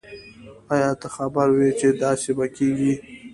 آیا ته خبر وی چې داسي به کیږی